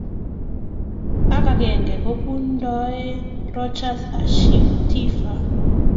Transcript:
ak akenge kobuntoe Rodgers Ashitiva.